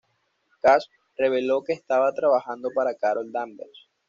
Cash reveló que estaba trabajando para Carol Danvers.